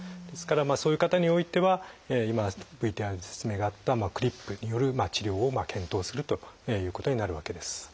ですからそういう方においては今ＶＴＲで説明があったクリップによる治療を検討するということになるわけです。